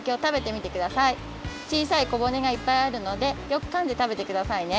ちいさいこぼねがいっぱいあるのでよくかんでたべてくださいね。